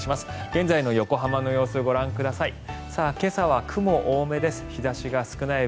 現在の横浜の様子ご覧ください。